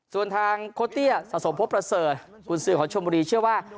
ส่วนทางโค้เตี้ยสะสมพบประเสริฐกุญสือของชมบุรีเชื่อว่า